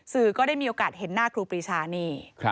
สื่อก็ได้มีโอกาสเห็นหน้าครูปรีชานี่